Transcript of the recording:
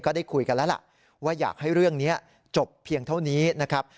ได้คุยกันแล้วล่ะว่าอยากให้เรื่องนี้จบเพียงเท่านี้นะครับ